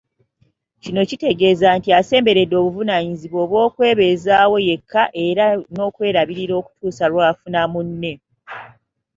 Kino kitegeeza nti asemberedde obuvunaanyizibwa obw'okwebezaawo yekka era n'okwerabirira okutuusa lw'afuna munne.